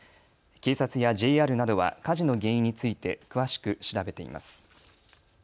警察やＪＲなどは火事の原因について詳しく調べています。